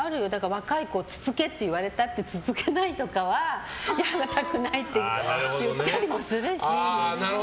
若い子をつつけって言われてもつつけないとかはやりたくないって言ったりするし。